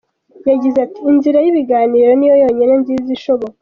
Yagize ati”Inzira y’ibiganiro niyo yonyine nziza ishoboka.